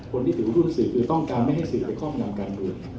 คนที่ถือรูปสื่อคือต้องการไม่ให้สื่อเป็นข้อมูลการเมือง